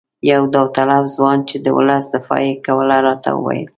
یو داوطلب ځوان چې د ولس دفاع یې کوله راته وویل.